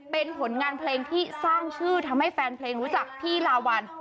เป็นผลงานเพลงที่สร้างชื่อทำให้แฟนเพลงรู้จักพี่ลาวัล